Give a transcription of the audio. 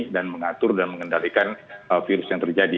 dan mengatur dan mengendalikan virus yang terjadi